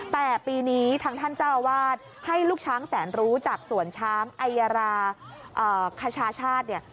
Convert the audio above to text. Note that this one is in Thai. แต่ปีนี้ทางท่านเจ้าอาวาสให้ลูกช้างแสนรู้จากสวนช้างอายราคชาชาติเนี่ย